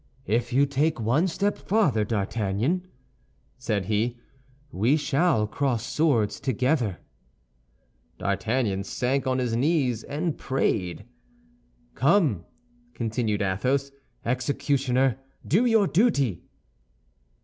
"If you take one step farther, D'Artagnan," said he, "we shall cross swords together." D'Artagnan sank on his knees and prayed. "Come," continued Athos, "executioner, do your duty."